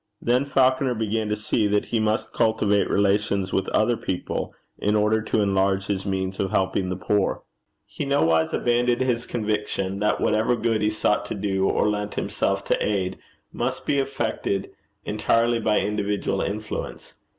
Then Falconer began to see that he must cultivate relations with other people in order to enlarge his means of helping the poor. He nowise abandoned his conviction that whatever good he sought to do or lent himself to aid must be effected entirely by individual influence.